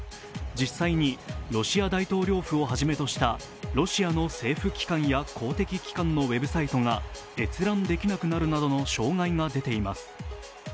実際にロシア大統領府をはじめとしたロシアの政府機関や公的機関のウェブサイトなどが閲覧できなくなるなどの障害が出ています。